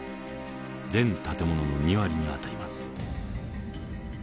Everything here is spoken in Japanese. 全建物の２割にあたります。